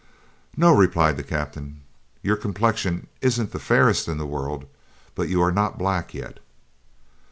"No," replied the captain. "Your complexion isn't the fairest in the world, but you are not black yet."